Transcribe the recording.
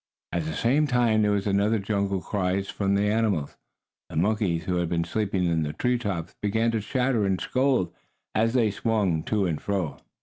At the same time there were other jungle cries from other animals. The monkeys, who had been sleeping in the tree tops, began to chatter and scold, as they swung to and fro.